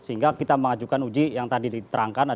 sehingga kita mengajukan uji yang tadi diterangkan